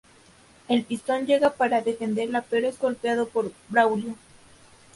El Pistón llega para defenderla pero es golpeado por Braulio.